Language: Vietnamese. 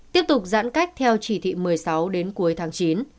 tiếp tục giãn cách theo chỉ thị một mươi sáu đến cuối tháng chín